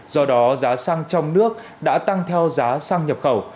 do đó giá xăng trong nước đã tăng theo giá xăng nhập khẩu